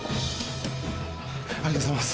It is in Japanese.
ありがとうございます。